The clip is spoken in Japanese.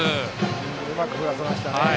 うまく振らせましたね。